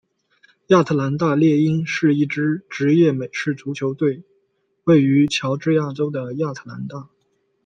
亚特兰大猎鹰是一支职业美式足球球队位于乔治亚州的亚特兰大。